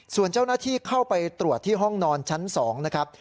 ส่วนเจ้าหน้าที่เข้าไปตรวจที่ห้องนอนชั้น๒นะครับ